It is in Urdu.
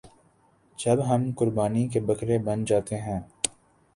جب ہم قربانی کے بکرے بن جاتے ہیں۔